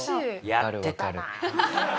やってたな！